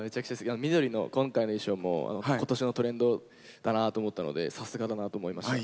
緑の今回の衣装も今年のトレンドだなと思ったのでさすがだなと思いました。